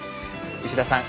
牛田さん